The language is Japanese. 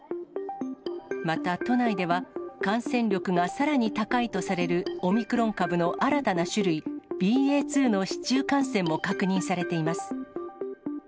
また都内では、感染力がさらに高いとされるオミクロン株の新たな種類、ＢＡ．２の市中感染も確認されています。